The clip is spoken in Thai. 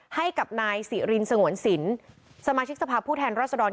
ให้กับนายสิรินสงวนสินสมาชิกสภาพผู้แทนรัศดร